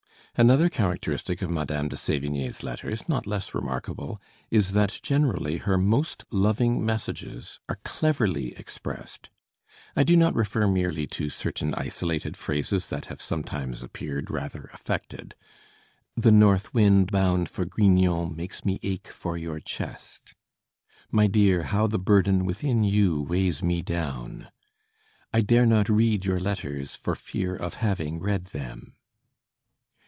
Another characteristic of Madame de Sévigné's letters, not less remarkable, is that generally her most loving messages are cleverly expressed. I do not refer merely to certain isolated phrases that have sometimes appeared rather affected. "The north wind bound for Grignan makes me ache for your chest." "My dear, how the burden within you weighs me down!" "I dare not read your letters for fear of having read them."